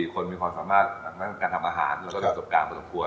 ๔คนมีความสามารถการทำอาหารแล้วก็ทำการประสบควร